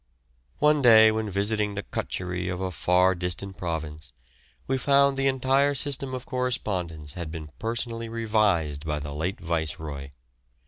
One day when visiting the cutcherry of a far distant province, we found the entire system of correspondence had been personally revised by the late Viceroy.